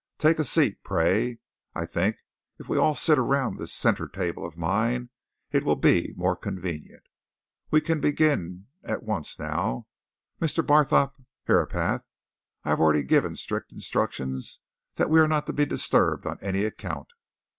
Take a seat, pray: I think if we all sit around this centre table of mine it will be more convenient. We can begin at once now, Mr. Barthorpe Herapath I have already given strict instructions that we are not to be disturbed, on any account.